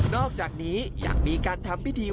อกจากนี้ยังมีการทำพิธี